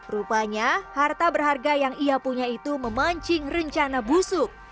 rupanya harta berharga yang ia punya itu memancing rencana busuk